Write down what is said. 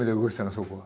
そこは。